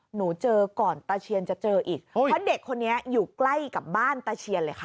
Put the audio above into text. หนูเจอก่อนตะเชียนจะเจออีกเพราะเด็กคนนี้อยู่ใกล้กับบ้านตะเชียนเลยค่ะ